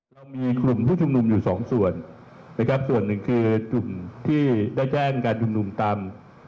เรามีกลุ่มผู้ชุมนุมอยู่สองส่วนนะครับส่วนหนึ่งคือกลุ่มที่ได้แจ้งการชุมนุมตาม